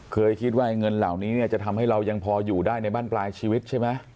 เคยคิดว่าเงินเหล่านี้เนี่ยจะทำให้เรายังพออยู่ได้ในบ้านปลายชีวิตใช่ไหม